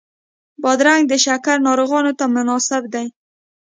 بادرنګ د شکر ناروغانو ته مناسب دی.